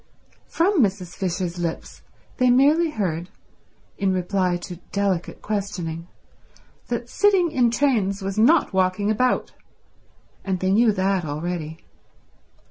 From Mrs. Fisher's lips they merely heard, in reply to delicate questioning, that sitting in trains was not walking about; and they knew that already.